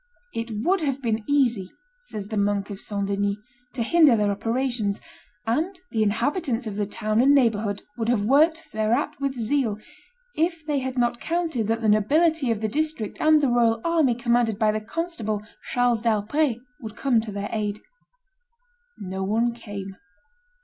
"It would have been easy," says the monk of St. Denis, "to hinder their operations, and the inhabitants of the town and neighborhood would have worked thereat with zeal, if they had not counted that the nobility of the district and the royal army commanded by the constable, Charles d'Albret, would come to their aid." No one came.